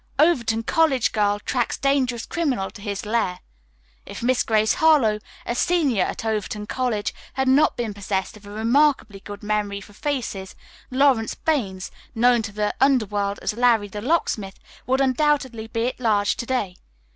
"Overton College Girl Tracks Dangerous Criminal to His Lair. If Miss Grace Harlowe, a senior at Overton College, had not been possessed of a remarkably good memory for faces, Lawrence Baines, known to the underworld as 'Larry, the Locksmith,' would undoubtedly be at large to day.